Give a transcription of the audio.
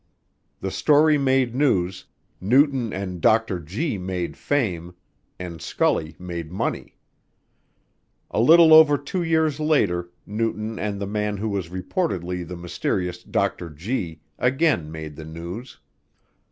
The story made news, Newton and "Dr. Gee" made fame, and Scully made money. A little over two years later Newton and the man who was reportedly the mysterious "Dr. Gee" again made the news.